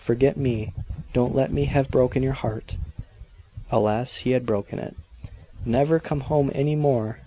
forget me. Don't let me have broken your heart." Alas, he had broken it! "Never come home any more!